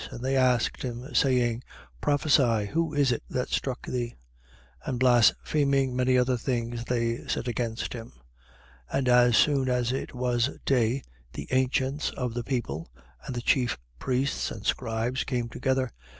And they asked him saying: Prophesy: Who is it that struck thee? 22:65. And blaspheming, many other things they said against him. 22:66. And as soon as it was day, the ancients of the people and the chief priests and scribes came together.